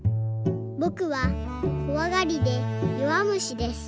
「ぼくはこわがりでよわむしです。